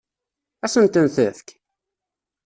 Ad sen-ten-tefk?